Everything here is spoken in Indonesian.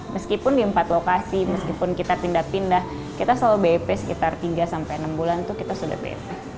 meskipun di empat lokasi meskipun kita pindah pindah kita selalu bep sekitar tiga sampai enam bulan tuh kita sudah beta